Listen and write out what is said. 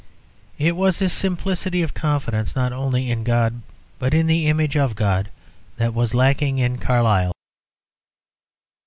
It was this simplicity of confidence, not only in God, but in the image of God, that was lacking in Carlyle.